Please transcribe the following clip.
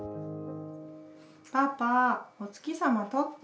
パパ、お月様取って。